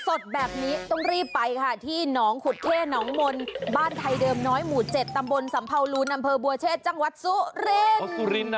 สดแบบนี้ต้องรีบไปค่ะที่หนองขุดเท่หนองมนต์บ้านไทยเดิมน้อยหมู่๗ตำบลสัมเภาลูนอำเภอบัวเชษจังหวัดสุรินทร์